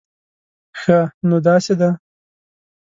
ښه، نو داسې ده